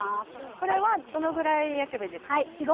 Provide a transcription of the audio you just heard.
これはどのぐらい焼けばいいですか？